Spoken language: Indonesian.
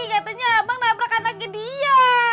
katanya abang nabrak anaknya dia